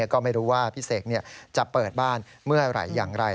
ก็ไม่รู้ว่าพี่เสกจะเปิดบ้านเมื่อไหร่อย่างไร